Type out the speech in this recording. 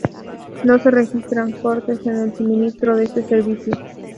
No se registran cortes en el suministro de este servicio.